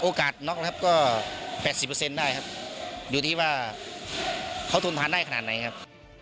น็อกนะครับก็๘๐ได้ครับอยู่ที่ว่าเขาทนทานได้ขนาดไหนครับ